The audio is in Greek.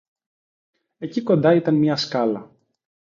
Εκεί κοντά, ήταν μια σκάλα